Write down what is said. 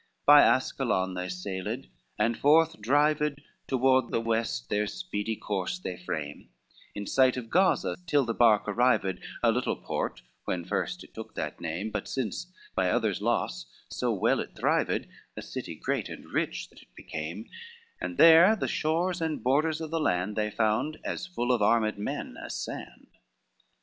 X By Ascalon they sailed, and forth drived, Toward the west their speedy course they frame, In sight of Gaza till the bark arrived, A little port when first it took that name; But since, by others' loss so well it thrived A city great and rich that it became, And there the shores and borders of the land They found as full of armed men as sand.